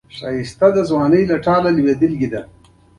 انسانان د خپل برخلیک او سرنوشت بندیان نه دي.